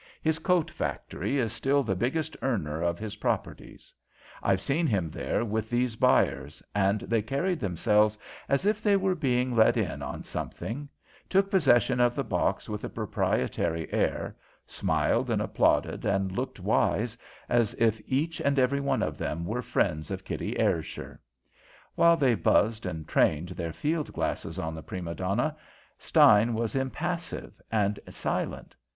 His coat factory is still the biggest earner of his properties. I've seen him there with these buyers, and they carried themselves as if they were being let in on something; took possession of the box with a proprietory air, smiled and applauded and looked wise as if each and every one of them were friends of Kitty Ayrshire. While they buzzed and trained their field glasses on the prima donna, Stein was impassive and silent.